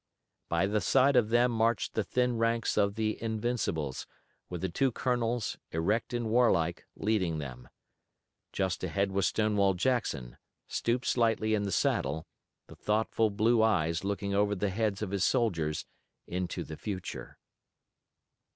By the side of them marched the thin ranks of the Invincibles, with the two colonels, erect and warlike, leading them. Just ahead was Stonewall Jackson, stooped slightly in the saddle, the thoughtful blue eyes looking over the heads of his soldiers into the future.